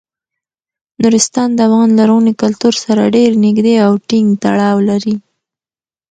نورستان د افغان لرغوني کلتور سره ډیر نږدې او ټینګ تړاو لري.